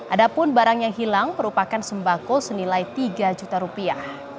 ada pun barang yang hilang merupakan sembako senilai tiga juta rupiah